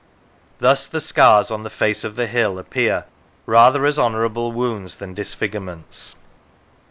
Thus the scars on the face of the hill appear rather as honourable wounds than disfigurements.